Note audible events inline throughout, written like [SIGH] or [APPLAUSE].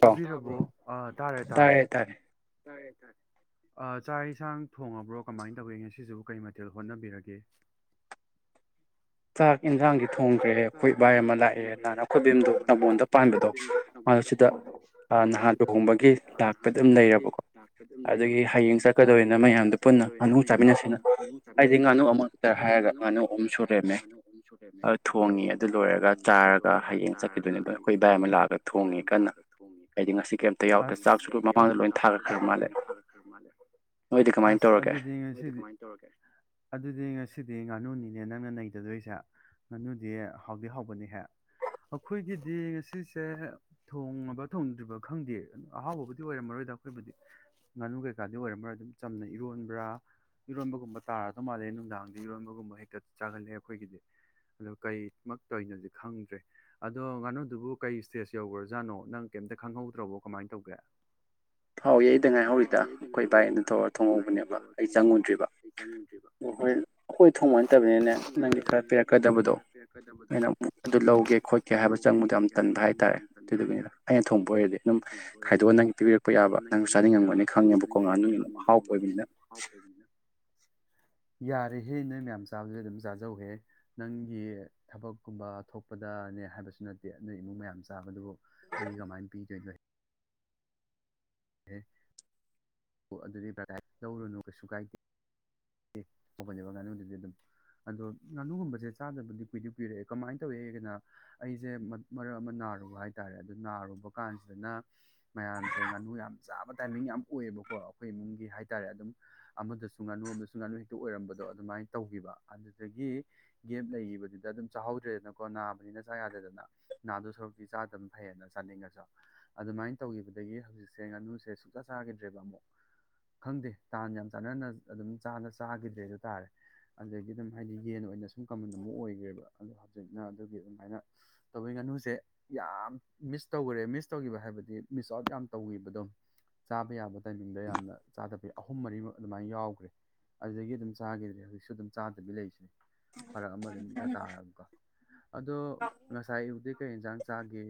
ꯇꯥꯕꯤꯔꯕꯣ ꯑꯥ ꯇꯥꯔꯦ ꯇꯥꯔꯦ ꯇꯥꯔꯦ ꯆꯥꯛ ꯏꯟꯁꯥꯡ ꯊꯣꯡꯉꯕ꯭ꯔꯣ ꯀꯃꯥꯏꯅ ꯇꯧꯔꯒꯦ ꯉꯁꯤꯁꯤꯕꯨ ꯀꯔꯤ ꯃꯊꯦꯜ ꯍꯣꯠꯅꯕꯤꯔꯒꯦ [INAUDIBLE] ꯆꯥꯛ ꯏꯟꯁꯥꯡꯗꯤ ꯊꯣꯡꯖꯔꯦ ꯑꯩꯈꯣꯏ ꯏꯕꯥꯏ ꯑꯃ ꯂꯥꯛꯑꯦꯟꯅ ꯑꯈꯣꯏꯕꯦꯝꯗꯣ ꯅꯝꯕꯣꯟꯗ ꯄꯥꯟꯕꯗꯣ ꯃꯥ ꯁꯤꯗ ꯅꯍꯥꯟ ꯂꯨꯍꯣꯡꯕꯒꯤ ꯂꯥꯛꯄꯗ ꯑꯗꯨꯝ ꯂꯩꯔꯕꯀꯣ ꯑꯗꯨꯒꯤ ꯍꯌꯦꯡ ꯆꯠꯀꯗꯣꯏꯅ ꯃꯌꯥꯝꯗ ꯄꯨꯟꯅ ꯉꯥꯅꯨ ꯆꯥꯃꯤꯟꯅꯁꯦꯅ ꯑꯩꯗꯤ ꯉꯥꯅꯨ ꯑꯃꯛꯇ ꯍꯥꯏꯔꯒ ꯉꯥꯅꯨ ꯑꯍꯨꯝ ꯁꯨꯂꯩꯔꯝꯃꯦ [UNINTELLIGIBLE] ꯑꯗꯨ ꯂꯣꯏꯔꯒ ꯆꯥꯔꯒ ꯍꯌꯦꯡ ꯆꯠꯈꯤꯗꯣꯏꯅꯦ ꯑꯩꯈꯣꯏ ꯏꯕꯥꯏ ꯑꯃ ꯂꯥꯛꯑꯒ ꯊꯣꯡꯉꯤ ꯀꯟꯅ ꯑꯩꯗꯤ ꯉꯁꯤ ꯑꯁ ꯁꯤꯁꯦ ꯑꯝꯇ ꯌꯥꯎꯗ꯭ꯔꯦ ꯆꯥꯥꯛꯁꯨ ꯃꯃꯥꯡꯗ ꯂꯣꯏꯅ ꯊꯥꯔꯛꯈ꯭ꯔꯕ ꯃꯥꯜꯂꯦ ꯑꯁ ꯑꯗꯨꯗꯤ ꯉꯁꯤ ꯅꯣꯏꯗꯤ ꯀꯃꯥꯏ ꯇꯧꯔꯒꯦ ꯑꯗꯨꯗꯤ ꯉꯁꯤ ꯉꯁꯤꯗꯤ ꯉꯥꯅꯨꯅꯤꯅꯦ ꯅꯪꯅ ꯅꯗꯗꯣꯏꯁꯦ ꯉꯥꯅꯨꯗꯤ ꯍꯥꯎꯗꯤ ꯍꯥꯎꯕꯅꯦꯍꯦ ꯑꯩꯈꯣꯏꯒꯤꯗꯤ ꯉꯁꯤꯁꯦ ꯊꯣꯡꯉꯕ ꯊꯣꯡꯗ꯭ꯔꯤꯕ ꯈꯪꯗꯦ ꯑꯍꯥꯎꯕꯕꯨꯗꯤ ꯑꯣꯏꯔꯝꯃꯔꯣꯏ ꯑꯗꯨꯗ ꯑꯩꯈꯣꯏꯕꯨꯗꯤ ꯉꯥꯅꯨ ꯀꯩꯀꯥꯗꯤ ꯑꯣꯏꯔꯝꯃꯔꯣꯏ ꯑꯗꯨꯝ ꯆꯝꯅ ꯏꯔꯣꯟꯕ꯭ꯔꯥ ꯏꯔꯣꯟꯕꯒꯨꯝꯕ ꯇꯥꯔꯗꯧ ꯃꯥꯜꯂꯦ ꯅꯨꯡꯗꯥꯡꯗꯤ ꯏꯔꯣꯟꯕꯒꯨꯝꯕ ꯍꯦꯛꯇ ꯆꯥꯒꯜꯂꯦ ꯑꯩꯈꯣꯏꯒꯤꯗꯤ ꯑꯗꯣ ꯀꯔꯤꯃꯛ ꯇꯧꯔꯤꯅꯣꯗꯤ ꯈꯪꯗ꯭ꯔꯦ ꯑꯗꯣ ꯉꯥꯅꯨꯗꯨꯕꯨ ꯀꯩꯔꯤ ꯁ꯭ꯇꯦꯖ ꯌꯧꯈ꯭ꯔꯥꯖꯥꯠꯅꯣ ꯅꯪ ꯀꯩꯝꯇ ꯈꯪꯍꯧꯗ꯭ꯔꯕꯣ ꯀꯃꯥꯏ ꯇꯧꯒꯦ ꯊꯥꯎ ꯌꯩꯗ ꯉꯥꯏꯍꯧꯔꯤꯗ ꯑꯩꯈꯣꯏ ꯏꯕꯥꯏꯅ ꯇꯧꯔ ꯊꯣꯡꯍꯧꯕꯅꯦꯕ ꯑꯩ ꯆꯪꯉꯨꯗ꯭ꯔꯤꯕ ꯑꯣ ꯍꯣꯏ ꯑꯈꯣꯏ ꯊꯣꯡꯕ ꯅꯠꯇꯕꯅꯤꯅꯦ ꯅꯪꯒꯤ ꯈꯔ ꯄꯤꯔꯛ ꯀꯗꯕꯗꯣ ꯑꯩꯅ ꯑꯃꯛ ꯑꯗꯨ ꯂꯧꯒꯦ ꯈꯣꯠꯀꯦ ꯍꯥꯏꯕ ꯆꯪꯕꯗꯣ ꯌꯥꯝ ꯇꯟꯕ ꯍꯥꯏꯇꯥꯔꯦ ꯑꯗꯨꯒꯤꯅꯤꯗ ꯑꯩꯅ ꯊꯣꯡꯕ ꯑꯣꯏꯔꯗꯤ ꯑꯗꯨꯝ ꯈꯥꯏꯗꯣꯛꯑꯒ ꯅꯪꯒꯤ ꯄꯤꯕꯤꯔꯛꯄ ꯈꯥꯏꯗꯣꯛꯑꯒ ꯅꯪꯒꯤ ꯄꯤꯕꯤꯔꯛꯄ ꯌꯥꯕ ꯅꯪ ꯆꯥꯅꯤꯡꯉꯝꯒꯅꯤ ꯈꯪꯉꯦꯕꯀꯣ ꯉꯥꯅꯨ ꯑꯍꯥꯎꯕ ꯑꯣꯏꯕꯅꯤꯅ ꯌꯥꯔꯦꯍꯦ ꯅꯣꯏ ꯃꯌꯥꯝ ꯆꯥꯕꯗꯨꯗꯤ ꯑꯗꯨꯝ ꯆꯥꯖꯧꯍꯦ ꯅꯪꯒꯤ ꯊꯕꯛꯀꯨꯝꯕ ꯊꯣꯛꯄꯗꯅꯦ ꯍꯥꯏꯕꯁꯨ ꯅꯠꯇꯦ ꯅꯣꯏ ꯏꯃꯨꯡ ꯃꯌꯥꯝ ꯆꯥꯕꯗꯨꯕꯨ ꯑꯩ ꯀꯃꯥꯏ ꯄꯤꯗꯣꯏꯍꯦ ꯑꯗꯨꯗꯤ꯭ꯔ ꯀꯥꯏ ꯇꯧꯔꯨꯅꯨ ꯀꯩꯁꯨ ꯀꯥꯏꯗꯦ ꯍꯥꯎꯕꯅꯦꯕ ꯉꯥꯅꯨꯗꯨꯗꯤ ꯑꯗꯨꯝ ꯑꯗꯣ ꯉꯥꯅꯨꯒꯨꯝꯕꯁꯦ ꯆꯥꯗꯕꯗꯤ ꯀꯨꯏꯗꯤ ꯀꯨꯏꯔꯦ ꯀꯃꯥꯏ ꯇꯧꯏꯦꯒꯗꯅ ꯑꯩꯁꯦ ꯃꯔꯛ ꯑꯃ ꯅꯥꯔꯨꯕ ꯍꯥꯏꯇꯥꯔꯦ ꯑꯗꯨꯗ ꯅꯥꯔꯨꯕ ꯀꯥꯟꯁꯤꯗꯅ ꯃꯌꯥꯝꯁꯦ ꯉꯥꯅꯨ ꯌꯥꯝ ꯆꯥꯕ ꯇꯥꯏꯃꯤꯡ ꯌꯥꯝ ꯑꯣꯏꯌꯦꯕꯀꯣ ꯀꯣ ꯑꯩꯈꯣꯏ ꯏꯃꯨꯡꯒꯤ ꯍꯥꯏꯇꯥꯔꯦ ꯑꯗꯨꯝ ꯑꯃꯗꯁꯨ ꯉꯥꯅꯨ ꯑꯃꯗꯁꯨ ꯉꯥꯅꯨ ꯍꯦꯛꯇ ꯑꯣꯏꯔꯝꯕꯗꯣ ꯑꯗꯨꯃꯥꯏꯅ ꯇꯧꯈꯤꯕ ꯑꯗꯨꯗꯒꯤ ꯒꯦꯞ ꯂꯩꯈꯤꯕꯗꯨꯗ ꯑꯗꯨꯝ ꯆꯥꯍꯧꯗ꯭ꯔꯦꯗꯅꯀꯣ ꯅꯥꯕꯅꯤꯅ ꯆꯥ ꯌꯥꯗꯦꯗꯅ ꯅꯥꯗꯣ ꯁꯔꯨꯛꯇꯤ ꯆꯥꯗꯕꯅ ꯐꯩꯌꯦꯅ ꯆꯠꯅꯤꯡꯉꯁꯨ ꯑꯗꯨꯃꯥꯏꯅ ꯇꯧꯒꯤꯕꯗꯒꯤ ꯍꯧꯖꯤꯛꯁꯦ ꯉꯥꯅꯨꯁꯦ ꯁꯨꯡꯆꯥ ꯆꯥꯈꯤꯗ꯭ꯔꯦꯕ ꯑꯃꯨꯛ ꯈꯪꯗꯦ ꯇꯥꯟ ꯌꯥꯝ ꯆꯥꯟꯅꯅ ꯑꯗꯨꯝ ꯆꯥꯅ ꯆꯥꯈꯤꯗ꯭ꯔꯦꯗꯣ ꯇꯥꯔꯦ ꯑꯗꯨꯗꯒꯤ ꯑꯗꯨꯝ ꯍꯥꯏꯗꯤ ꯌꯦꯟ ꯑꯣꯏꯅ ꯁꯨꯝ ꯀꯃꯟ ꯑꯃ ꯑꯣꯏꯈ꯭ꯔꯦꯕ ꯑꯗꯣ ꯍꯧꯖꯤꯛꯅ ꯑꯗꯨꯒꯤ ꯑꯗꯨꯝꯍꯥꯏꯅ ꯇꯧꯕꯩ ꯉꯥꯅꯨꯁꯦ ꯌꯥꯝ ꯃꯤꯁ ꯇꯧꯈ꯭ꯔꯦ ꯃꯤꯁ ꯇꯧꯈꯤꯕ ꯍꯥꯏꯕꯗꯤ ꯃꯤꯁ ꯑꯥꯎꯠ ꯌꯥꯝ ꯇꯧꯈꯤꯕꯗꯣ ꯆꯥꯕ ꯌꯥꯕ ꯇꯥꯏꯃꯤꯡꯗ ꯌꯥꯝꯅ ꯆꯥꯗꯕ ꯑꯍꯨꯝ ꯃꯔꯤꯃꯨꯛ ꯑꯗꯨꯃꯥꯏꯅ ꯌꯥꯎꯈ꯭ꯔꯦ ꯑꯗꯨꯗꯒꯤ ꯑꯗꯨꯝ ꯆꯥꯈꯤꯗ꯭ꯔꯦ ꯍꯧꯖꯤꯛꯁꯨ ꯑꯗꯨꯝ ꯆꯥꯗꯕꯤ ꯂꯩꯁꯤꯅꯤ ꯐꯔꯛ ꯑꯃꯗꯤ ꯑꯗꯨꯝ ꯏꯇꯥ ꯇꯥꯔꯕꯅꯤꯀꯣ ꯑꯗꯣ ꯉꯁꯥꯏ ꯑꯌꯨꯛꯇꯤ ꯀꯩ ꯌꯦꯟꯁꯥꯡ ꯆꯥꯒꯦ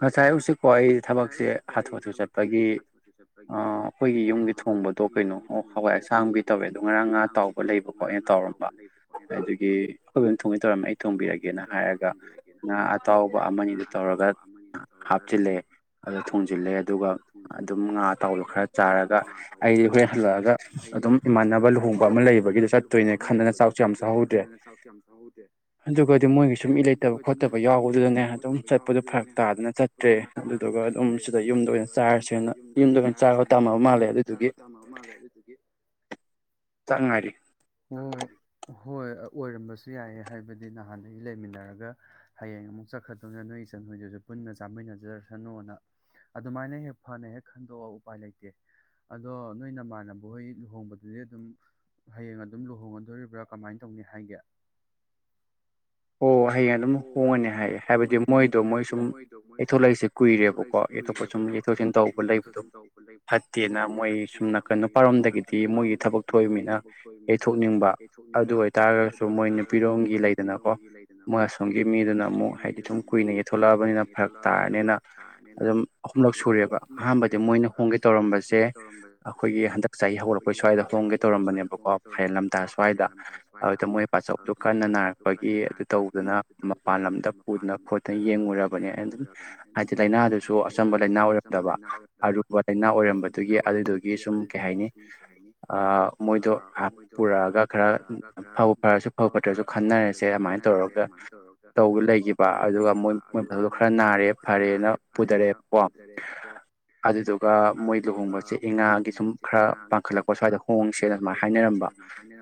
ꯉꯁꯥꯏ [UNINTELLIGIBLE] ꯑꯩ ꯊꯕꯛꯁꯦ ꯍꯥꯊꯨ ꯍꯥꯊꯨ ꯆꯠꯄꯒꯤ ꯑꯥꯥ ꯑꯩꯒꯤꯌꯨꯝꯒꯤ ꯊꯣꯡꯕ ꯇꯣꯛꯈ꯭ꯔꯤꯅꯣ ꯍꯋꯥꯏ ꯑꯁꯥꯡꯕꯤ ꯇꯧꯋꯦ ꯑꯗꯨꯣ ꯉꯔꯥꯡ ꯉꯥ ꯇꯥꯎꯕ ꯂꯩꯕꯀꯣ ꯑꯩꯅ ꯇꯥꯎꯔꯝꯕ ꯑꯗꯨꯒꯤ ꯍꯋꯤꯏ ꯊꯣꯡꯉꯦ ꯇꯧꯔꯝꯃꯦ ꯑꯩ ꯊꯣꯡꯕꯤꯔꯒꯦꯅ ꯍꯥꯏꯔꯒ ꯉꯥ ꯑꯇꯥꯎꯕ ꯑꯃꯅꯤ ꯑꯇꯥꯎꯕ ꯑꯃꯅꯤꯒ ꯇꯧꯔꯒ ꯑꯗꯨ ꯊꯣꯡꯖꯤꯜꯂꯦ ꯑꯗꯨꯒ ꯑꯗꯨꯝ ꯉꯥ ꯑꯇꯥꯎꯕ ꯈꯔ ꯆꯥꯔꯒ ꯑꯩ ꯍꯣꯔꯦꯟ ꯍꯜꯂꯛꯑꯒ ꯑꯗꯨꯝ ꯏꯃꯥꯟꯅꯕ ꯂꯨꯍꯣꯡꯕ ꯑꯃ ꯂꯩꯕꯒꯤ ꯆꯠꯇꯣꯏꯅꯦ ꯈꯟꯗꯅ ꯆꯥꯛꯁꯨ ꯌꯥꯝ ꯆꯥꯍꯧꯗ꯭ꯔꯦ ꯑꯗꯨꯒꯗꯤ ꯃꯣꯏꯒꯤ ꯁꯨꯝ ꯃꯤ ꯂꯩꯇꯕ ꯈꯣꯠꯇꯕ ꯌꯥꯎꯕꯗꯨꯗꯅꯦ ꯑꯗꯨꯝ ꯆꯠꯄꯗꯣ ꯐꯔꯛ ꯇꯥꯗꯅ ꯆꯠꯇ꯭ꯔꯦ ꯀꯥꯗꯅ ꯆꯠꯇ꯭ꯔꯦ ꯑꯗꯨꯗꯨꯒ ꯑꯗꯨꯝ ꯁꯤꯗ ꯌꯨꯝꯗ ꯑꯣꯏꯅ ꯆꯥꯔꯁꯦꯅ ꯌꯨꯝꯗ ꯑꯣꯏꯅ ꯆꯥꯔꯣ ꯇꯝꯃꯕ ꯃꯥꯜꯂꯦ ꯗꯒꯤ ꯆꯥꯛ ꯉꯥꯏꯔꯤ ꯍꯣꯏ ꯑꯣꯏꯔꯝꯕꯁꯨ ꯌꯥꯏ ꯍꯥꯏꯕꯗꯤ ꯅꯍꯥꯟꯗꯒꯤ ꯂꯩꯃꯤꯟꯅꯔꯒ ꯍꯌꯦꯡ ꯍꯌꯦꯡ ꯑꯃꯨꯛ ꯆꯠꯈ꯭ꯔꯗꯧꯅ ꯅꯣꯏꯒꯤ ꯏꯆꯟꯍꯣꯏꯁꯨ ꯄꯨꯟꯅ ꯆꯥꯃꯤꯟꯅꯖꯔꯁꯅꯣꯅ ꯑꯗꯨꯃꯥꯏꯅ ꯍꯦꯛ ꯐꯅ ꯍꯦꯛ ꯈꯟꯗꯣꯛꯑꯣ ꯎꯄꯥꯏ ꯂꯩꯇꯦ ꯑꯗꯣ ꯅꯣꯏ ꯅꯃꯥꯟꯅꯕ ꯍꯣꯏ ꯂꯨꯍꯣꯡꯕꯗꯨꯗꯤ ꯑꯗꯨꯝ ꯍꯌꯦꯡ ꯑꯗꯨꯝ ꯂꯨꯍꯣꯡꯉꯗꯧꯔꯤꯕ꯭ꯔ ꯀꯃꯥꯏ ꯇꯧꯅꯤ ꯍꯥꯏꯒꯦ ꯑꯣ ꯍꯌꯦꯡ ꯑꯗꯨꯝ ꯍꯣꯡꯉꯅꯤ ꯍꯥꯏꯌꯦ ꯍꯥꯏꯕꯗꯤ ꯃꯣꯏꯗꯣ ꯃꯣꯏ ꯁꯨꯝ ꯌꯩꯊꯣꯂꯛꯏꯁꯦ ꯀꯨꯏꯔꯦꯕꯀꯣ ꯌꯩꯊꯣꯛꯄ ꯁꯨꯝ ꯌꯩꯊꯣꯛ ꯌꯩꯁꯤꯟ ꯇꯧꯕ ꯂꯩꯕꯗꯣ ꯐꯠꯇꯦꯅ ꯃꯣꯏ ꯁꯨꯝꯅꯥꯀꯟ ꯅꯨꯄꯥ ꯔꯣꯝꯗꯒꯤꯗꯤ ꯃꯣꯏ ꯊꯕꯛ ꯊꯣꯛꯏ ꯅꯨꯃꯤꯠꯅ ꯌꯩꯊꯣꯛꯅꯤꯡꯕ ꯑꯗꯨ ꯑꯣꯏꯇꯥꯔꯒꯁꯨ ꯃꯣꯏ ꯅꯨꯄꯤꯔꯣꯝꯒꯤ ꯂꯩꯗꯅꯀꯣ ꯑꯁꯣꯝꯒꯤ ꯃꯤꯗꯨꯅ ꯑꯃꯨꯛ ꯍꯥꯏꯗꯤ ꯑꯗꯨꯝ ꯀꯨꯏꯅ ꯌꯩꯊꯣꯛꯂꯛꯑꯕꯅꯤꯅ ꯐꯔꯛ ꯇꯥꯔꯅꯤꯅ ꯑꯗꯨꯝ ꯑꯍꯨꯝꯂꯛ ꯁꯨ ꯔꯦꯕꯑꯍꯥꯟꯕꯗꯤ ꯃꯣꯏꯅ ꯍꯣꯡꯒꯦ ꯇꯧꯔꯝꯕꯁꯦ ꯑꯩꯈꯣꯏꯒꯤ ꯍꯟꯗꯛ ꯆꯍꯤ ꯍꯧꯒꯠꯂꯛꯄ ꯁ꯭ꯋꯥꯏꯗ ꯍꯣꯡꯒꯦ ꯇꯧꯔꯝꯕ ꯅꯦꯕꯀꯣ ꯐꯥꯏꯔꯦꯟ ꯂꯝꯇꯥ ꯁ꯭ꯋꯥꯏꯗ ꯑꯗꯨꯗ ꯃꯣꯏ ꯕꯥꯆꯧꯗꯨꯣ ꯀꯟꯅ ꯅꯥꯔꯛꯄꯒꯤ ꯑꯗꯨ ꯇꯧꯗꯅ ꯃꯄꯥꯟ ꯂꯝꯗ ꯄꯨꯗꯅ ꯈꯣꯠꯇꯅ ꯌꯦꯡꯉꯨꯔꯕꯅꯦ ꯑꯗꯨꯝ ꯍꯥꯏꯗꯤ ꯂꯥꯏꯅꯥꯗꯨꯁꯨ ꯑꯆꯝꯕ ꯂꯥꯏꯅ ꯑꯣꯏ ꯔꯝꯗꯕ ꯑꯔꯨꯕ ꯂꯥꯏꯅ ꯑꯣꯏꯔꯝꯕꯗꯨꯒꯤ ꯑꯗꯨꯗꯨꯒꯤ ꯁꯨꯝ ꯀꯩ ꯍꯥꯏꯅꯤ ꯑꯥ ꯃꯣꯏꯗꯣ ꯄꯨꯔꯛꯑꯒ ꯈꯔ ꯐꯕꯨ ꯐꯔꯁꯨ ꯐꯕꯨ ꯐꯠꯇ꯭ꯔꯁꯨ ꯈꯟꯅꯔꯁꯦ ꯑꯃꯥꯏꯅ ꯇꯧꯔꯒ ꯇꯧ ꯂꯩꯈꯤꯕ ꯑꯗꯨꯒ ꯃꯣꯏ ꯃꯣꯏ ꯕꯗꯣ ꯈꯔ ꯅꯥꯔꯦ ꯐꯔꯦꯅ ꯄꯨꯊꯔꯛꯑꯦꯕ ꯀꯣ ꯋꯥ ꯑꯗꯨꯗꯨꯒ ꯃꯣꯏ ꯂꯨꯍꯣꯡꯕꯁꯦ ꯏꯉꯥꯒꯤ ꯁꯨꯝ ꯈꯔ ꯄꯥꯡꯈꯠꯂꯛꯄ ꯁ꯭ꯋꯥꯏꯗ ꯍꯣꯡꯁꯦꯅ ꯁꯨꯃꯥꯏꯅ ꯍꯥꯏꯅꯔꯝꯕ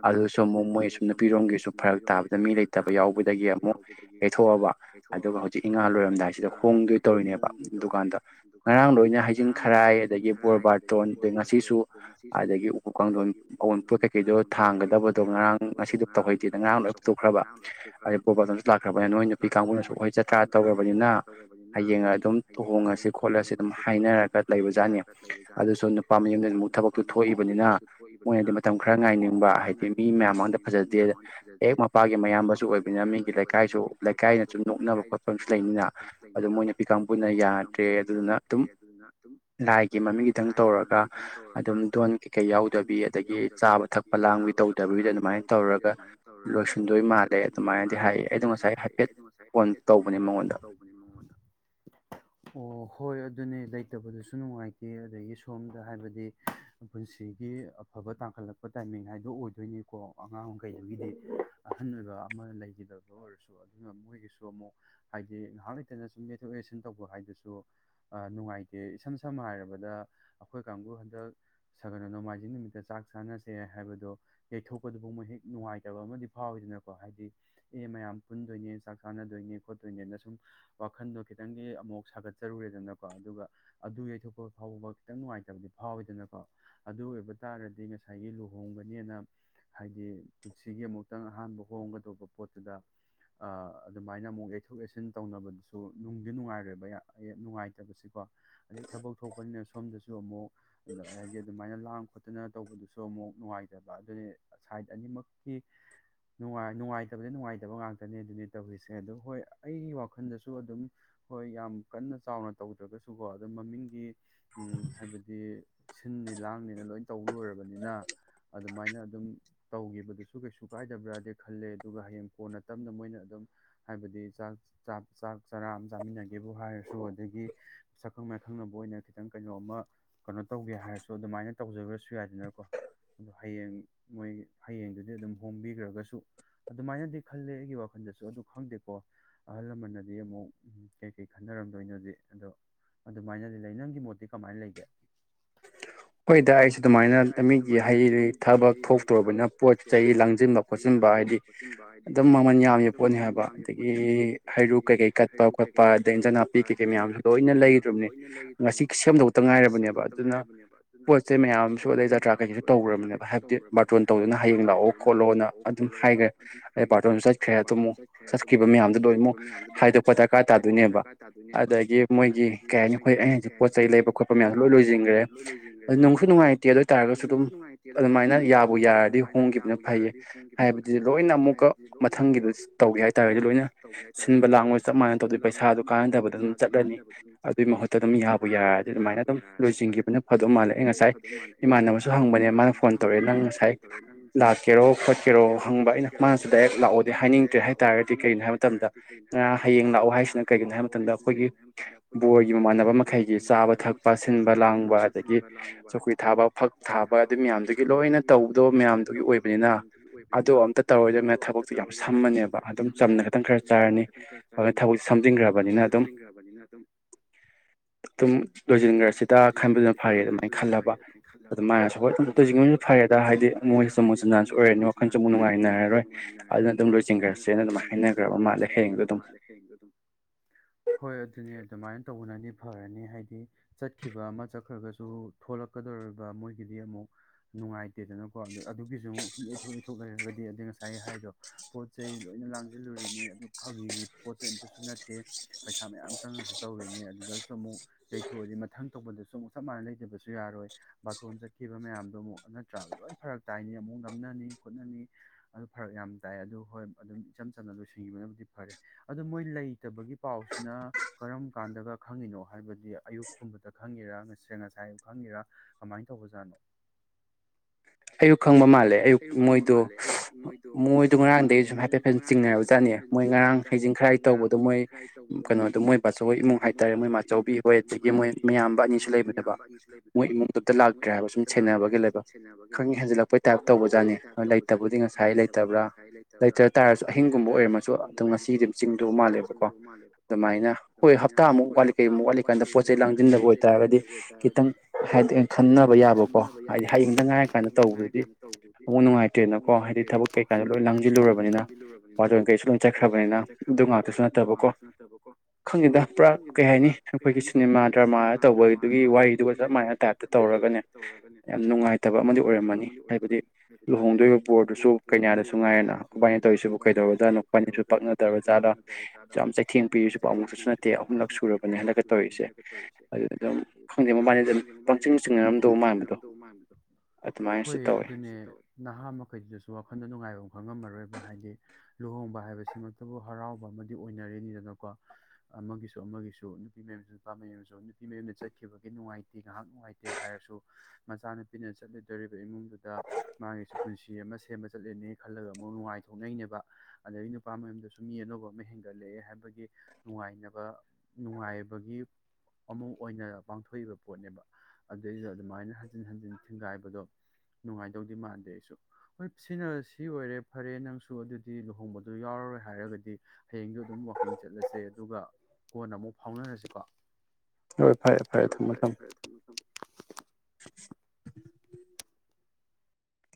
ꯑꯗꯨꯁꯨ ꯑꯃꯨꯛ ꯃꯣꯏ ꯁꯨꯝ ꯅꯨꯄꯤꯔꯣꯝꯒꯤꯁꯨꯨ ꯐꯔꯛ ꯇꯥꯕꯗ ꯃꯤ ꯂꯩꯇꯕ ꯌꯥꯎꯕꯗꯒꯤ ꯑꯃꯨꯛ ꯌꯩꯊꯣꯛꯑꯕ ꯑꯗꯨꯒ ꯍꯧꯖꯤꯛ ꯏꯉꯥ ꯂꯣꯏꯔꯝꯗꯥꯏꯁꯤꯗ ꯍꯣꯡꯗꯣꯏ ꯇꯧꯔꯤꯅꯦꯕ ꯗꯨꯀꯥꯟꯗ ꯉꯔꯥꯡ ꯂꯣꯏꯅ ꯍꯩꯖꯤꯡ ꯈꯔꯥꯏ ꯑꯗꯒꯤ ꯕꯣꯔ ꯕꯥꯔꯇꯣꯟ ꯑꯗꯩ ꯉꯁꯤꯁꯨ ꯑꯗꯒꯤ ꯎꯄꯨ ꯀꯥꯡꯊꯣꯟ ꯑꯎꯟ ꯄꯣꯠ ꯀꯩꯀꯩꯗꯣ ꯊꯥꯡꯒꯗꯕꯗꯣ ꯉꯔꯥꯡ ꯉꯁꯤꯗꯣ ꯇꯧꯍꯩꯗꯦꯅ ꯉꯔꯥꯡ ꯂꯣꯏ ꯄꯨꯊꯣꯛꯈ꯭ꯔꯕ ꯉꯔꯥꯡ ꯂꯣꯏ ꯄꯨꯊꯣꯛꯈ꯭ꯔꯕ ꯕꯣꯔ ꯕꯔꯇꯣꯟꯁꯨ ꯂꯥꯛꯈ꯭ꯔꯕꯅꯤꯅ ꯅꯣꯏ ꯅꯨꯄꯤ ꯀꯥꯡꯕꯨꯅꯁꯨ ꯍꯣꯏ ꯖꯇ꯭ ꯔꯥ ꯇꯧꯔꯕꯅꯤꯅ ꯍꯌꯦꯡ ꯑꯗꯨꯝ ꯂꯨꯍꯣꯡꯉꯁꯤ ꯈꯣꯠ ꯂꯁꯤ ꯑꯗꯨꯝ ꯍꯥꯏꯅꯔꯒ ꯂꯩꯕꯖꯥꯠꯅꯤ ꯑꯗꯨꯁꯨ ꯅꯨꯄꯥ ꯃꯌꯨꯝꯅ ꯑꯃꯨꯛ ꯊꯕꯛꯇꯨ ꯊꯣꯛꯏꯕꯅꯤꯅ ꯃꯣꯏꯅꯗꯤ ꯃꯇꯝ ꯈꯔ ꯉꯥꯏꯅꯤꯡꯕ ꯍꯥꯏꯗꯤ ꯃꯤ ꯃꯌꯥꯝ ꯃꯥꯡꯗ ꯐꯖꯗꯦ ꯌꯦꯛ ꯃꯄꯥꯒꯤ ꯃꯌꯥꯝꯕꯁꯨ ꯑꯣꯏꯕ ꯃꯤꯒꯤ ꯂꯩꯀꯥꯏꯁꯨ ꯂꯩꯀꯥꯏꯅꯁꯨꯨ ꯅꯣꯛꯅꯕ ꯈꯣꯠꯄ ꯑꯝꯁꯨ ꯂꯩꯅꯤꯅ ꯑꯗꯨ ꯃꯣꯏ ꯅꯨꯄꯤꯀꯕꯨꯅ ꯌꯥꯗ꯭ꯔꯦ ꯌꯦꯑꯗꯨꯗꯨꯅ ꯑꯗꯨꯝ ꯂꯥꯏꯒꯤ ꯃꯃꯤꯡ ꯒꯤꯇꯪ ꯇꯧꯔꯒ ꯑꯗꯨꯝ ꯙꯣꯟ ꯀꯩ ꯀꯩ ꯌꯥꯎ ꯗ ꯕꯤ ꯑꯗꯒꯤ ꯆꯥꯕ ꯊꯛꯄ ꯂꯥꯡꯕꯤ ꯇꯧꯗꯕꯤꯗ ꯑꯗꯨꯃꯥꯏ ꯇꯧꯔꯒ ꯂꯣꯏꯁꯤꯟꯗꯣꯏ ꯃꯥꯜꯂꯦ ꯗꯣꯏ ꯃꯥꯜꯂꯦ ꯑꯗꯨꯃꯥꯏꯅꯗꯤ ꯍꯥꯏꯌꯦ ꯑꯩꯗꯣ ꯉꯁꯥꯏ ꯍꯥꯏꯐꯦꯠ ꯐꯣꯟ ꯇꯧꯕꯅꯦ ꯃꯉꯣꯟꯗ ꯑꯣ ꯍꯣꯏ ꯑ ꯑꯗꯨꯅꯤ ꯂꯩꯇꯕꯗꯨꯁꯨ ꯅꯨꯡꯉꯥꯏꯇꯦ ꯑꯗꯒꯤ ꯁꯣꯝꯗ ꯍꯥꯏꯕꯗꯤ ꯄꯨꯟꯁꯤꯒꯤ ꯑꯐꯕ ꯇꯥꯟ ꯈꯠꯂꯛꯄ ꯇꯥꯏꯃꯤꯡ ꯍꯥꯏꯗꯣ ꯑꯣꯏꯗꯣꯏꯅꯤꯀꯣ ꯑꯉꯥꯡꯈꯩꯗꯨꯒꯤꯗꯤ ꯑꯍꯟ ꯑꯣꯏꯕ ꯑꯃꯅ ꯂꯩꯈꯤꯗꯕ ꯑꯣꯏꯔꯁꯨ ꯑꯗꯨꯅ ꯃꯣꯏꯒꯤꯁꯨ ꯑꯃꯨꯛ ꯍꯥꯏꯗꯤ ꯉꯥꯏꯍꯥꯛ ꯂꯩꯇꯅ ꯁꯨꯝ ꯌꯩꯊꯣꯛ ꯌꯩꯁꯤꯟ ꯇꯧꯕ ꯍꯥꯏ ꯗꯨꯁꯨ ꯅꯨꯡꯉꯥꯏꯇꯦ ꯏꯁꯝ ꯁꯝꯅ ꯍꯥꯏꯔꯕꯗ ꯑꯩꯈꯣꯏ ꯀꯥꯡꯕꯨ ꯍꯟꯗꯛ ꯁꯒꯅ ꯅꯣꯡꯃꯥꯏꯖꯤꯡ ꯅꯨꯃꯤꯠꯇ ꯆꯥꯛ ꯆꯥꯅꯁꯦ ꯍꯥꯏꯕꯗꯣ ꯌꯩꯊꯣꯛꯄꯗꯨꯕꯧ ꯍꯦꯛ ꯅꯨꯡꯉꯥꯏꯇꯕ ꯑꯃꯗꯤ ꯐꯥꯎꯋꯤꯗꯅ ꯀꯣ ꯍꯥꯏꯗꯤ ꯑꯦ ꯃꯌꯥꯝ ꯄꯨꯟꯗꯣꯏꯅꯦ ꯆꯥꯛ ꯆꯥꯟꯅꯗꯣꯏꯅꯦ ꯈꯣꯠꯇꯣꯏꯅꯦꯅ ꯁꯨꯝ ꯋꯥꯈꯟꯗꯣ ꯈꯤꯇꯪꯗꯤ ꯃꯣꯛ ꯁꯥꯒꯠꯆꯔꯨꯔꯦꯗꯅꯀꯣ ꯑꯗꯨꯒ ꯑꯗꯨ ꯌꯩꯊꯣꯛꯄ ꯐꯥꯎꯕ ꯈꯤꯇꯪ ꯅꯨꯡꯉꯥꯏꯇꯕꯗꯤ ꯐꯥꯎꯋꯦꯗꯅꯀꯣ ꯑꯗꯨ ꯑꯣꯏꯕ ꯇꯥꯔꯗꯤ ꯉꯁꯥꯏꯒꯤ ꯂꯨꯍꯣꯡꯒꯅꯤꯅ ꯍꯥꯏꯗꯤ ꯄꯨꯟꯁꯤꯒꯤ ꯑꯃꯨꯛꯇꯪ ꯑꯍꯥꯟꯕ ꯍꯣꯡꯒꯗꯧꯕ ꯄꯣꯠꯇꯨꯗ ꯑꯗꯨꯃꯥꯏꯅ ꯑꯃꯨꯛ ꯌꯩꯊꯣꯛ ꯌꯩꯁꯤꯟ ꯇꯧꯅꯕꯗꯨꯁꯨ ꯅꯨꯡꯗꯤ ꯅꯨꯡꯉꯥꯏꯔꯣꯏꯕ ꯅꯨꯡꯉꯥꯏꯇꯕꯁꯤꯀꯣ ꯑꯗꯩ ꯊꯕꯛ ꯊꯣꯛꯄꯅꯤꯅ ꯁꯣꯝꯗꯁꯨ ꯑꯃꯨꯛ ꯍꯥꯏꯗꯤ ꯑꯗꯨꯃꯥꯏꯅ ꯂꯥꯡ ꯈꯣ ꯐꯠꯇꯅ ꯇꯧꯕꯗꯨꯁꯨ ꯑꯃꯨꯛ ꯅꯨꯡꯉꯥꯏꯇꯕ ꯑꯗꯨꯅꯤ ꯁꯥꯏꯠ ꯑꯅꯤꯃꯛꯀꯤ ꯅꯨꯡ ꯅꯨꯡꯉꯥꯏꯇꯕꯗ ꯅꯨꯡꯉꯥꯏꯇꯕ ꯉꯥꯛꯇꯅꯦ ꯑꯗꯨꯅꯦ ꯇꯧꯔꯤꯁꯦ ꯑꯗꯣ ꯍꯣꯏ ꯑꯩꯒꯤ ꯋꯥꯈꯜꯗꯁꯨ ꯑꯗꯨꯝ ꯍ ꯑꯩꯈꯣꯏ ꯌꯥꯝ ꯀꯟꯅ ꯆꯥꯎꯅ ꯇꯧꯗ꯭ꯔꯒꯁꯨꯀꯣ ꯑꯗꯣ ꯃꯃꯤꯡꯒꯤ ꯍꯥꯏꯕꯗꯤ ꯁꯤꯟꯅꯤ ꯂꯥꯡꯅꯤꯅ ꯂꯣꯏ ꯇꯧꯕ ꯂꯣꯏꯔꯕꯅꯤꯅ ꯑꯗꯨꯃꯥꯏꯅ ꯑꯗꯨꯝ ꯇꯧꯈꯤꯕꯗꯨꯁꯨ ꯀꯩꯁꯨ ꯀꯥꯏꯗꯕ꯭ꯔꯥ ꯈꯜꯂꯦ ꯑꯗꯨꯒ ꯍꯌꯦꯡ ꯀꯣꯟꯅ ꯇꯞꯅ ꯃꯣꯏꯅ ꯑꯗꯨꯝ ꯍꯥꯏꯕꯗꯤ ꯆꯥꯛ ꯆꯥꯛ ꯆꯔꯥ ꯑꯃ ꯆꯥꯃꯤꯟꯅꯒꯦꯕꯨ ꯍꯥꯏꯔꯁꯨ ꯑꯗꯒꯤ ꯈꯪꯅ ꯈꯪꯅꯕ ꯑꯣꯏꯅ ꯈꯤꯇꯪ ꯀꯩꯅꯣ ꯑꯃ ꯀꯩꯅꯣ ꯇꯧꯒꯦ ꯍꯥꯏꯔꯁꯨ ꯑꯗꯨꯃꯥꯏꯅ ꯇꯧꯖꯒ꯭ꯔꯁꯨ ꯌꯥꯏꯗꯅꯀꯣ ꯍꯌꯦꯡ ꯃꯣꯏ ꯍꯌꯦꯡꯗꯨꯗꯤ ꯑꯗꯨꯝ ꯍꯣꯡꯝꯕꯤꯒ꯭ꯔꯒꯁꯨ ꯑꯗꯨꯃꯥꯏꯅꯗꯤ ꯈꯜꯂꯦ ꯑꯩꯒꯤ ꯋꯥꯈꯜꯗꯁꯨ ꯑꯗꯨ ꯈꯪꯗꯦꯀꯣ ꯑꯍꯜ ꯂꯃꯟꯅꯗꯤ ꯑꯃꯨꯛ ꯀꯩꯀꯩ ꯈꯟꯅꯔꯝꯃꯤ ꯗꯣꯏꯅꯗꯤ ꯑꯗꯣ ꯑꯗꯨꯃꯥꯏꯅꯗꯤ ꯂꯩ ꯅꯪꯒꯤ ꯃꯣꯠꯇꯤ ꯀꯃꯥꯏꯅ ꯂꯩꯒꯦ ꯍꯣꯏ ꯗ ꯁꯤ ꯑꯗꯨꯃꯥꯏꯅ ꯃꯤꯒꯤ ꯍꯩ ꯊꯕꯛ ꯊꯣꯛꯇ꯭ꯔꯨꯔꯕꯅꯤꯅ ꯄꯣꯠ ꯆꯩ ꯂꯪꯁꯤꯟꯕ ꯈꯣꯠꯆꯤꯟꯕ ꯍꯥꯏꯗꯤ ꯑꯗꯨꯝ ꯃꯃꯜ ꯌꯥꯝꯃꯤꯕ ꯄꯣꯠꯅꯤ ꯍꯥꯏꯕ ꯑꯗꯒꯤ ꯍꯩꯔꯨꯛ ꯀꯩꯀꯩ ꯀꯠꯄ ꯈꯣꯠꯄ ꯑꯗꯒꯤ ꯏꯟꯖꯥꯡꯅꯥꯄꯤ ꯀꯩ ꯃꯌꯥꯝꯁꯨ ꯂꯣꯏꯅ ꯂꯩꯔꯨꯕꯅꯦ ꯉꯁꯤ ꯁꯦꯝꯗꯧꯇꯪ ꯉꯥꯏꯔꯕꯅꯦꯕ ꯑꯗꯨꯅ ꯄꯣꯠ ꯆꯩ ꯃꯌꯥꯝ ꯁꯨ ꯖꯇ꯭ꯔꯥ ꯀꯩꯀꯩꯁꯨ ꯇꯧꯒ꯭ꯔꯝꯅꯦꯕ ꯍꯥꯏꯕꯗꯤ ꯕꯥꯔꯇꯣꯟ ꯇꯧꯗꯨꯅ ꯍꯌꯦꯡ ꯂꯥꯛꯑꯣ ꯈꯣꯠꯂꯣꯅ ꯑꯗꯨꯝ ꯍꯥꯏꯒ꯭ꯔꯦ ꯕꯥꯔꯇꯦꯟꯁꯨ ꯆꯠꯈ꯭ꯔꯦ ꯑꯗꯨ ꯃꯨꯛ ꯆꯠꯈꯤꯕ ꯃꯌꯥꯝꯗꯨ ꯂꯣꯏꯅꯃꯨꯛ ꯍꯥꯏꯗꯣꯛꯄ ꯗꯔꯀꯥꯔ ꯇꯥꯗꯣꯏꯅꯦꯕ ꯑꯗ ꯑꯗꯒꯤ ꯃꯣꯏꯒꯤ ꯀꯩ ꯍꯥꯏꯅꯤ ꯑꯩꯈꯣꯏ ꯑꯩꯅ ꯍꯥꯏꯖꯦ ꯄꯣꯠ ꯆꯩ ꯂꯩꯕ ꯈꯣꯠꯄ ꯃꯌꯥꯝ ꯂꯣꯏ ꯂꯣꯏꯖꯤꯟꯒ꯭ꯔꯦ ꯑꯗꯨ ꯅꯨꯡꯁꯨ ꯅꯨꯡꯉꯥꯏ ꯂꯩꯇꯦ ꯑꯗꯨ ꯑꯣꯏꯇꯥꯥꯔꯒꯁꯨ ꯑꯗꯨꯝ ꯑꯗꯨꯃꯥꯏꯅ ꯌꯥꯕꯨ ꯌꯥꯔꯗꯤ ꯍꯣꯡꯒꯤꯕꯅ ꯐꯩꯌꯦ ꯍꯥꯏꯕꯗꯤ ꯂꯣꯏꯅ ꯑꯃꯨꯛ ꯑꯃꯨꯛꯀ ꯃꯊꯪꯒꯤꯗ ꯇꯧꯒꯦ ꯍꯥꯏꯇꯥꯔꯗꯤ ꯂꯣꯏꯅ ꯁꯤꯟꯕ ꯂꯥꯡꯕꯁꯨ ꯆꯞ ꯃꯥꯟꯅ ꯇꯧꯗꯦ ꯄꯩꯁꯥꯗꯨ ꯀꯥꯟꯅꯗꯕꯗ ꯑꯗꯨꯝ ꯆꯠꯂꯅꯤ ꯑꯗꯨꯏ ꯃꯍꯨꯠꯇ ꯑꯗꯨꯝ ꯌꯥꯕꯨ ꯌꯥꯔꯗꯤ ꯑꯗꯨꯃꯥꯏꯅ ꯑꯗꯨꯝ ꯂꯣꯏꯖꯤꯟꯒꯤꯕꯅ ꯐꯗꯧ ꯃꯥꯜꯂꯦ ꯑꯩ ꯉꯁꯥꯏ ꯏꯃꯥꯟꯅꯕꯁꯨ ꯍꯪꯕꯅꯦ ꯃꯥꯅ ꯐꯣꯟ ꯇꯧꯔꯛꯑꯦ ꯅꯪ ꯉꯁꯥꯏ ꯂꯥꯛꯀꯦꯔꯣ ꯈꯣꯠꯀꯦꯔꯣ ꯍꯪꯕ ꯑꯩꯅ ꯃꯖꯨ ꯗꯥꯏꯔꯦꯛ ꯂꯥꯛꯑꯣꯗꯤ ꯍꯥꯏꯅꯤꯡꯗ꯭ꯔꯦ ꯍꯥꯏꯇꯥꯔꯗꯤ ꯀꯩꯒꯤꯅꯣ ꯍꯥꯏꯕ ꯃꯇꯝꯗ ꯉ ꯍꯌꯦꯡ ꯂꯥꯛꯑꯣ ꯍꯥꯏꯁꯤꯅ ꯀꯩꯒꯤꯅꯣ ꯍꯥꯏꯕ ꯃꯇꯝꯗ ꯑꯩꯈꯣꯏꯒꯤ ꯕꯣꯔꯒꯤ ꯃꯃꯥꯟꯅꯕ ꯃꯈꯩꯒꯤ ꯆꯥꯕ ꯊꯛꯄ ꯁꯤꯟꯕ ꯂꯥꯡꯕ ꯑꯗꯒꯤ ꯊꯥꯕ ꯐꯛ ꯊꯥꯕ ꯑꯗꯨ ꯃꯌꯥꯝꯗꯨꯒꯤ ꯂꯣꯏꯅ ꯇꯧꯕꯗꯣ ꯃꯌꯥꯝꯗꯨꯒꯤ ꯑꯣꯏꯕꯅꯤꯅ ꯑꯗꯨ ꯑꯝꯇ ꯇꯧꯔ ꯑꯈꯣꯏꯗꯅ ꯊꯕꯛꯁꯦ ꯌꯥꯝ ꯁꯝꯃꯅꯦꯕ ꯑꯗꯨꯝ ꯆꯝꯅ ꯈꯤꯇꯪ ꯈꯔ ꯆꯥꯔꯅꯤ ꯑꯗꯨꯅ ꯊꯕꯛꯁꯦ ꯁꯝꯖꯤꯟꯒ꯭ꯔꯕꯅꯤꯅ ꯑꯗꯨꯝ ꯏꯪꯒ꯭ꯔꯥꯕꯅꯤꯅ ꯑꯗꯨꯝ ꯑꯗꯨꯝ ꯂꯣꯏꯖꯟꯒ꯭ꯔꯁꯤꯗ ꯈꯟꯕꯗꯅ ꯐꯔꯦ ꯑꯗꯨꯃꯥꯏꯅ ꯈꯜ ꯃꯥꯥꯏꯅ ꯁꯨ ꯐꯔꯦꯗ ꯍꯥꯏꯗꯤ ꯃꯣꯏꯁꯨ ꯆꯨ ꯆꯟꯖꯟꯁꯨ ꯑꯣꯏꯔꯅꯤ ꯋꯥꯈꯟꯁꯨ ꯑꯃꯨꯛ ꯅꯨꯡꯉꯥꯏꯅ ꯑꯩꯈꯣꯏꯁꯨ ꯅꯨꯡꯉꯥꯏꯅꯔꯔꯣꯏ ꯑꯗꯨꯅ ꯑꯗꯨꯝ ꯂꯣꯏꯁꯤꯟꯈ꯭ꯔꯁꯦꯅ ꯑꯗꯨꯝ ꯍꯥꯏꯅꯈ꯭ꯔꯕ ꯃꯥꯜꯂꯦ ꯍꯌꯦꯡꯗꯣ ꯑꯗꯨꯝ ꯍꯣꯏ ꯑꯗꯨꯅꯤ ꯑꯗꯨꯃꯥꯏꯅ ꯇꯧꯕꯅꯗꯤ ꯐꯔꯅꯤ ꯍꯥꯏꯗꯤ ꯆꯠꯈꯤꯕ ꯑꯃ ꯆꯠꯈ꯭ꯔꯒꯁꯨ ꯊꯣꯛꯂꯛꯀꯗꯧꯔꯤꯕ ꯃꯣꯏꯒꯤꯗꯤ ꯑꯃꯨꯛ ꯅꯨꯡꯉꯥꯏꯇꯦꯗꯅꯀꯣ ꯑꯗꯨꯒꯤꯖꯨ ꯑꯃꯨꯛ ꯁꯨꯝ ꯌꯩꯊꯣꯛ ꯌꯩꯊꯣꯛ ꯂꯩꯔꯒꯗꯤ ꯑꯗꯩ ꯉꯁꯥꯏ ꯍꯥꯏꯗꯣ ꯄꯣꯠ ꯆꯩ ꯂꯣꯏꯅ ꯂꯥꯡꯖꯤꯜꯂꯨꯔꯤꯅꯦ ꯑꯗꯨ ꯐꯪꯉꯤ ꯄꯣꯠ ꯆꯩ ꯑꯝꯇꯁꯨ ꯅꯠꯇꯦ ꯄꯩꯁꯥ ꯃꯌꯥꯝ ꯆꯪꯉꯁꯨ ꯇꯧꯔꯤꯅꯦ ꯑꯗꯨꯗꯁꯨ ꯑꯃꯨꯛ ꯌꯩꯊꯣꯛꯑꯗꯤ ꯃꯊꯪ ꯇꯧꯕꯗꯁꯨ ꯑꯃꯨꯛ ꯆꯞ ꯃꯥꯟꯅ ꯂꯩꯗꯕꯁꯨ ꯁꯨ ꯌꯥꯔꯣꯏ ꯕꯥꯇꯣꯟ ꯆꯠꯈꯤꯕ ꯃꯌꯥꯝꯗꯣ ꯑꯃꯨꯛ ꯅꯠꯇ꯭ꯔꯕ ꯂꯣꯏ ꯐꯔꯛ ꯇꯥꯏꯅꯤ ꯑꯃꯨꯛ ꯅꯝꯅꯅꯤ ꯈꯣꯠꯅꯅꯤ ꯑꯗꯨ ꯐꯔꯛ ꯌꯥꯝ ꯇꯥꯏ ꯑꯗꯨ ꯍꯣꯏ ꯑꯗꯨꯝ ꯏꯆꯝ ꯆꯝꯅ ꯂꯣꯏꯁꯟꯒꯤꯕꯅꯕꯨꯗꯤ ꯐꯔꯦ ꯑꯗꯨ ꯃꯣꯏ ꯂꯩ ꯇꯕꯒꯤ ꯄꯥꯎꯁꯤꯅ ꯀꯔꯝ ꯀꯥꯟꯗꯒ ꯈꯪꯉꯤꯅꯣ ꯍꯥꯏꯕꯗꯤ ꯑꯌꯨꯛ ꯀꯨꯝꯕꯗ ꯈꯪꯉꯤꯔ ꯉꯁ ꯉꯁꯥꯏ ꯈꯪꯉꯤꯔꯥ ꯀꯃꯥꯏ ꯇꯧꯕꯖꯥꯠꯅꯣ ꯑꯌꯨꯛ ꯈꯪꯕ ꯃꯥꯜꯂꯦ ꯑꯌꯨꯛ ꯃꯣꯏꯗꯣ ꯃꯣꯏꯗꯣ ꯉꯔꯥꯡꯗꯩ ꯁꯨꯝ ꯍꯥꯏꯐꯦꯠ ꯍꯥꯏꯐꯦꯠ ꯆꯤꯡꯅꯔꯕꯖꯥꯠꯅꯤ ꯃꯣꯏ ꯉꯔꯥꯡ ꯑꯉꯥꯡ ꯍꯩꯖꯤꯡ ꯈꯔꯥꯏ ꯇꯧꯕꯗꯣ ꯃꯣꯏ ꯀꯩꯅꯣꯗꯣ ꯃꯣꯏ ꯕꯥꯆꯧꯍꯣꯏ ꯏꯃꯨꯡ ꯍꯥꯏꯇꯥꯔꯦ ꯃꯣꯏ ꯃꯥꯆꯧꯕꯤ ꯍꯣꯏ ꯑꯗꯒꯤ ꯃꯣꯏ ꯑꯩꯈꯣꯏ ꯃꯌꯥꯝꯕ ꯑꯅꯤꯁꯨ ꯂꯩꯕꯤꯗꯕ ꯃꯣꯏ ꯏꯃꯨꯡꯗꯨ ꯑꯝꯇ ꯂꯥꯛꯇ꯭ꯔꯦ ꯍꯥꯏꯕ ꯁꯨꯝ ꯁꯦꯟꯅꯕ ꯈꯪꯉꯦ ꯍꯖꯤꯜꯂꯛꯄꯩ ꯇꯥꯏꯞ ꯇꯧꯕꯖꯥꯠꯅꯤ ꯂꯩꯇꯕꯨꯗꯤ ꯉꯁꯥꯏ ꯂꯩꯇꯕ꯭ꯔꯥ ꯂꯩꯇ꯭ꯔ ꯇꯥꯔꯁꯨ ꯑꯍꯤꯡꯒꯨꯝꯕ ꯑꯣꯏꯔꯝꯃꯁꯨ ꯑꯗꯨ ꯉꯁꯤꯗꯤ ꯖꯤꯡꯗꯨ ꯃꯥꯜꯂꯦꯕꯀꯣ ꯗꯨꯃꯥꯏꯅ ꯍꯣꯏ ꯍꯞꯇꯥ ꯑꯃꯨꯛ ꯋꯥꯠꯂꯤꯀꯩꯃꯨꯛ ꯋꯥꯠꯂꯤꯀꯥꯟꯗ ꯄꯣꯠ ꯆꯩꯩ ꯂꯥꯡꯖꯤꯟꯗꯕ ꯑꯣꯏ ꯇꯥ ꯌꯥꯔꯒꯗꯤ ꯈꯤꯇꯪ ꯍꯥꯏꯗꯤ ꯈꯟꯅꯕ ꯌꯥꯕꯀꯣ ꯍꯥꯏꯗꯤ ꯍꯌꯦꯡꯗꯪ ꯉꯥꯏꯔ ꯀꯥꯟꯗ ꯇꯧꯕꯗꯨꯗꯤ ꯑꯃꯨꯛ ꯅꯨꯡꯉꯥꯏꯇꯦꯅꯀꯣ ꯍꯥꯏꯗꯤ ꯊꯕꯛ ꯀꯩꯀꯥꯗ ꯂꯣꯏ ꯂꯥꯡꯖꯤꯜꯂꯨꯔꯕꯅꯤꯅ ꯕꯥꯔꯇꯦꯟ ꯀꯩꯁꯨ ꯂꯣꯏ ꯆꯠꯈ꯭ꯔꯕꯅꯤꯅ ꯑꯗꯨ ꯉꯥꯛꯇꯁꯨ ꯅꯠꯇꯕꯀꯣ ꯈꯪꯗꯦꯗ ꯄꯨꯔꯥ ꯀꯩ ꯍꯥꯏꯅꯤ ꯑꯩꯈꯣꯏꯒꯤ ꯁꯤꯅꯤꯃꯥ ꯗ꯭ꯔꯃꯥ ꯇꯧꯕꯗꯨꯒꯤ ꯋꯥꯔꯤꯗꯨꯒ ꯆꯞ ꯃꯥꯟꯅ ꯇꯥꯏꯞꯇ ꯇꯧꯔꯛ ꯌꯥꯝ ꯅꯨꯡꯉꯥꯏꯇꯕ ꯑꯃꯗꯤ ꯑꯣꯏꯔꯝꯃꯅꯤ ꯍꯥꯏꯕꯗꯤ ꯂꯨꯍꯣꯡꯗꯣꯔꯤꯕ ꯕꯣꯔꯗꯨꯁꯨ ꯀꯩꯅꯥꯗꯨꯁꯨ ꯉꯥꯏꯔꯦꯅ ꯏꯕꯅꯤ ꯇꯧꯔꯤꯁꯤꯕꯨ ꯀꯩꯗꯧꯔꯖꯠꯅꯣ ꯏꯕꯅꯤꯁꯨ ꯄꯛꯅꯗ꯭ꯔꯕꯖꯠꯔ ꯌꯥꯝ ꯆꯩꯊꯦꯡ ꯄꯤꯔꯤꯁꯦ ꯑꯃꯨꯛꯇꯁꯨ ꯅꯠꯇꯦ ꯑꯍꯨꯝꯂꯛ ꯁꯨꯔꯕꯅꯦ ꯍꯟꯗꯛ ꯇꯧꯔꯤꯁꯦ ꯑꯗꯨꯗ ꯑꯗꯨꯝ ꯈꯪꯗꯦ ꯃꯕꯥꯟꯅꯤꯖꯦ ꯄꯪꯆꯤꯡ ꯆꯤꯡꯅꯔꯝꯗꯧꯕ ꯃꯥꯟꯕꯗꯣ ꯍꯣꯏ ꯑꯗꯨꯅꯦ ꯅꯍꯥ ꯃꯈꯩꯗꯨꯁꯨ ꯋꯥꯈꯜꯗꯨ ꯅꯨꯡꯉꯥꯏꯕ ꯈꯪꯉꯝꯃꯔꯣꯏ ꯍꯥꯏꯗꯤ ꯂꯨꯍꯣꯡꯕ ꯍꯥꯏꯕꯁꯤꯃꯛꯇꯕꯨ ꯍꯔꯥꯎꯕ ꯑꯃꯗꯤ ꯑꯣꯏꯅꯔꯤꯅꯤꯗꯅꯀꯣ ꯑꯃꯒꯤꯁꯨ ꯑꯃꯒꯤ ꯑꯃꯒꯤꯁꯨ ꯅꯨꯄꯤ ꯃꯌꯩꯝꯁꯨ ꯅꯨꯄꯥ ꯃꯌꯨꯝꯁꯨ ꯅꯨꯄꯤ ꯃꯌꯨꯝꯅ ꯆꯠꯈꯤꯕꯒꯤ ꯅꯨꯡꯉꯥꯏꯇꯦ ꯉꯥꯏꯍꯥꯛ ꯅꯨꯡꯉꯥꯏꯇꯦ ꯍꯥꯏꯔꯁꯨ ꯃꯆꯥꯅꯨꯄꯤꯅ ꯆꯠꯂꯨꯗꯣꯔꯤꯕ ꯏꯃꯨꯡꯗꯨꯗ ꯃꯥꯒꯤꯁꯨ ꯄꯨꯟꯁꯤ ꯑꯃ ꯁꯦꯝꯕ ꯆꯠꯂꯦꯅꯦ ꯈꯜꯂꯒ ꯑꯃꯨꯛ ꯅꯨꯡꯉꯥꯏꯊꯣꯛꯅꯩꯅꯦꯕ ꯑꯗꯒꯤ ꯅꯨꯄꯥ ꯃꯌꯨꯝꯗꯁꯨ ꯃꯤ ꯑꯅꯧꯕ ꯑꯃ ꯍꯦꯟꯒꯠꯂꯛꯑꯦ ꯍꯥꯏꯕꯒꯤ ꯅꯨꯡꯉꯥꯏꯅꯕ ꯅꯨꯡꯉꯥꯏꯕꯒꯤ ꯑꯃꯨꯛ ꯑꯣꯏꯅ ꯄꯥꯡꯊꯣꯛꯏꯕ ꯄꯣꯠꯅꯦꯕ ꯑꯗꯨꯏꯗꯨꯗ ꯑꯗꯨꯃꯥꯏꯅ ꯍꯟꯖꯤꯟ ꯍꯟꯖꯤꯟ ꯊꯤꯡꯒꯥꯏꯕꯗꯣ ꯅꯨꯡꯉꯥꯏꯗꯧꯗꯤ ꯃꯥꯟꯗꯦ ꯑꯩꯁꯨ ꯍꯣꯏ ꯁꯤꯅ ꯁꯤ ꯑꯣꯏꯔꯦ ꯐꯔꯦ ꯅꯪꯁꯨ ꯑꯗꯨꯗꯤ ꯂꯨꯍꯣꯡꯕꯗꯣ ꯌꯥꯎꯔꯔꯣꯏ ꯍꯥꯏꯔꯒꯗꯤ ꯍꯌꯦꯡꯖꯨ ꯑꯗꯨꯝ ꯋꯥꯛꯀꯤꯡ ꯆꯠꯂꯁꯦ ꯑꯗꯨꯒ ꯀꯣꯟꯅ ꯑꯃꯨꯛ ꯐꯥꯎꯅꯔꯁꯤꯀꯣ ꯍꯣꯏ ꯐꯔꯦ ꯐꯔꯦ ꯊꯝꯃꯣ ꯊꯝꯃꯣ